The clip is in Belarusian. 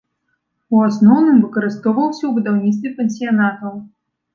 У асноўным выкарыстоўваўся ў будаўніцтве пансіянатаў.